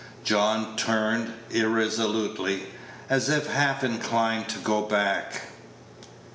John turned irresolutely, as if half inclined to go back.